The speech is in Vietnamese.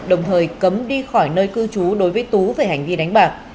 đồng thời cấm đi khỏi nơi cư trú đối với tú về hành vi đánh bạc